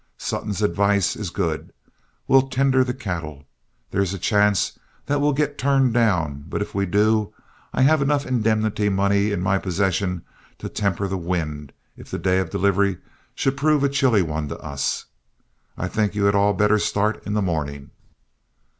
Sutton's advice is good; we'll tender the cattle. There is a chance that we'll get turned down, but if we do, I have enough indemnity money in my possession to temper the wind if the day of delivery should prove a chilly one to us. I think you had all better start in the morning."